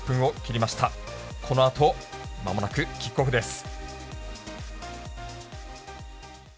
このあとまもなくキックオフです。